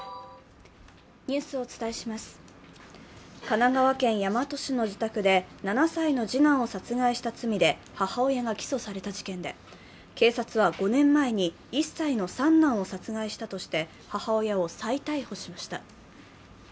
神奈川県大和市の自宅で７歳の次男を殺害した罪で母親が起訴された事件で、警察は、５年前に、１歳の三男を殺害したとして母親を再逮捕しました。